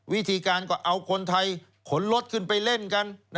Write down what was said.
วิธีการก็เอาคนไทยขนรถขึ้นไปเล่นกัน